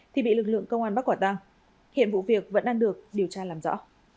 thì bị lực lượng công an bắt quả tăng hiện vụ việc vẫn đang được điều tra làm rõ